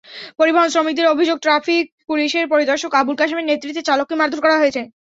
পরিবহন-শ্রমিকদের অভিযোগ, ট্রাফিক পুলিশের পরিদর্শক আবুল কাশেমের নেতৃত্বে চালককে মারধর করা হয়েছে।